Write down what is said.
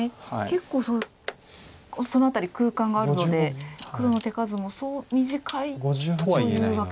結構その辺り空間があるので黒の手数もそう短いというわけではないですか。